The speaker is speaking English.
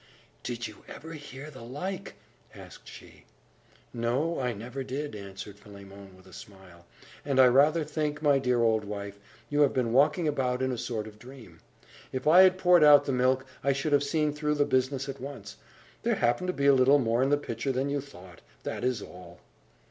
"Did you ever hear the like?" asked she. "No, I never did," answered Philemon, with a smile. "And I rather think, my dear old wife, you have been walking about in a sort of a dream. If I had poured out the milk, I should have seen through the business at once. There happened to be a little more in the pitcher than you thought that is all."